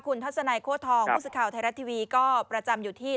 คุณทัชไนโขทองค่ะหุ้นสุข่าวไทยรัฐทีวีก็ประจำอยู่ที่